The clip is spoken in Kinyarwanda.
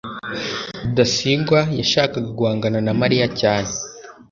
rudasingwa yashakaga guhangana na mariya cyane